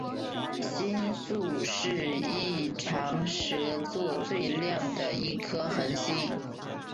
星宿一是长蛇座最亮的一颗恒星。